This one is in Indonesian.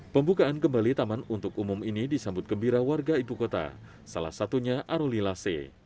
pembukaan kembali taman untuk umum ini disambut gembira warga ibu kota salah satunya aruli la c